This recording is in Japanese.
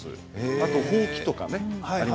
あとはほうきとかね。